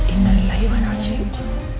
innalillah iwan ajaib